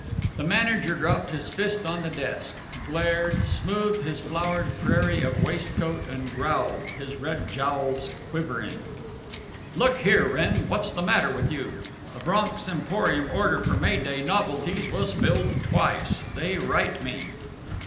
The manager dropped his fist on the desk, glared, smoothed his flowered prairie of waistcoat, and growled, his red jowls quivering: "Look here, Wrenn, what's the matter with you? The Bronx Emporium order for May Day novelties was filled twice, they write me."